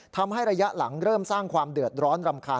ทำให้ระยะหลังเริ่มสร้างความเดือดร้อนรำคาญ